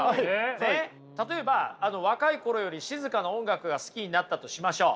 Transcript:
例えば若い頃より静かな音楽が好きになったとしましょう。